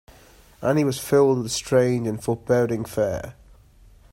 And he was filled with a strange and foreboding fear.